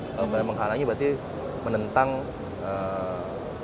kalau benar benar menghalangi berarti menentang kebijakan